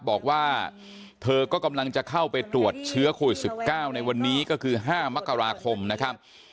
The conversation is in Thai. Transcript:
บอกว่าเธอก็กำลังจะเข้าไปตรวจเชื้อโควิด๑๙ในวันนี้ก็คือ๕มกราคมนะครับ